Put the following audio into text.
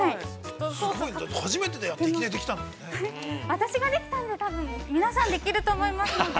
◆私ができたんで、皆さんできると思いますので。